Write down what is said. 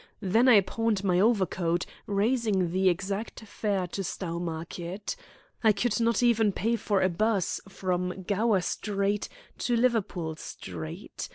Then I pawned my overcoat, raising the exact fare to Stowmarket. I could not even pay for a 'bus from Gower Street to Liverpool Street.